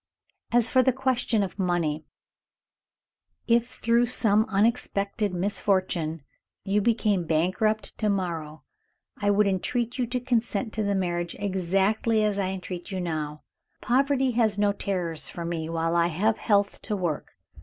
As for the question of money, if through some unexpected misfortune you became a bankrupt to morrow, I would entreat you to consent to the marriage exactly as I entreat you now. Poverty has no terrors for me while I have health to work.